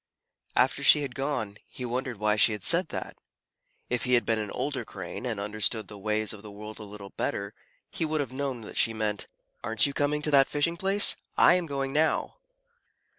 After she had gone, he wondered why she had said that. If he had been an older Crane, and understood the ways of the world a little better, he would have known that she meant, "Aren't you coming to that fishing place? I am going now."